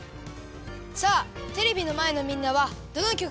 さあテレビのまえのみんなはどのきょくがよかったですか？